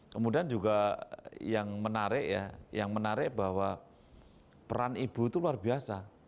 kemudian juga yang menarik ya yang menarik bahwa peran ibu itu luar biasa